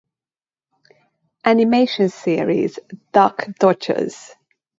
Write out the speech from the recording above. Animation series "Duck Dodgers".